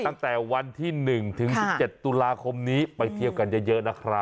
ตั้งแต่วันที่หนึ่งถึงสิบเจ็ดตุลาคมนี้ไปเที่ยวกันจะเยอะนะครับ